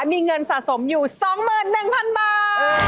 มีเงินสะสมอยู่๒๑๐๐๐บาท